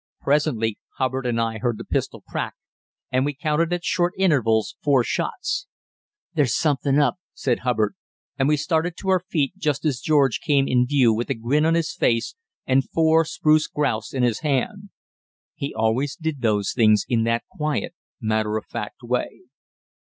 Presently Hubbard and I heard the pistol crack, and we counted, at short intervals, four shots. "There's something up," said Hubbard, and we started to our feet just as George came in view with a grin on his face and four spruce grouse in his hand. He always did those things in that quiet, matter of fact way.